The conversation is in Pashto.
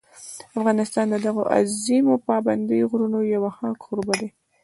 افغانستان د دغو عظیمو پابندي غرونو یو ښه کوربه دی.